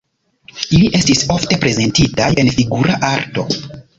Ili estis ofte prezentitaj en figura arto.